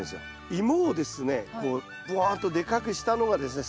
イモをですねこうぶわっとでかくしたのがですね